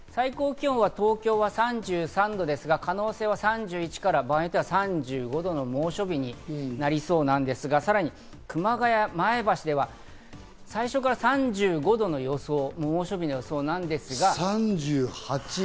最高気温は東京は３３度ですが可能性は３１から場合によっては３５度の猛暑日になりそうなんですが、さらに熊谷、前橋では最初から３５度の予想、猛暑日の予想なんですが。